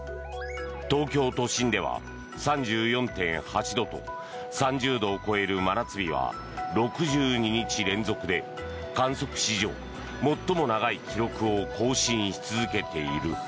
東京都心では３４．８度と３０度を超える真夏日は６２日連続で観測史上最も長い記録を更新し続けている。